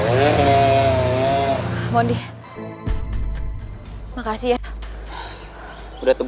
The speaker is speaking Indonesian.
haz console personalitiesnya yg selalu mendarung